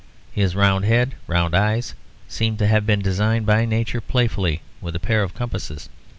His round head, round eyes, seemed to have been designed by nature playfully with a pair of compasses.